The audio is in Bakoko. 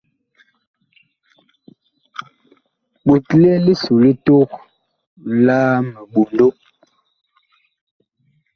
Ɓotle liso li tok la miɓondo.